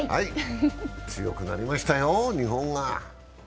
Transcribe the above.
強くなりましたよ、日本は。